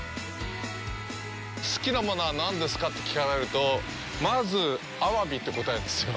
好きなものは何ですかって聞かれると、まず、アワビって答えるんですよ。